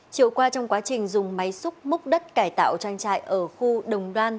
chiều qua trong quá trình dùng máy xúc múc đất cải tạo trang trại ở khu đồng đoan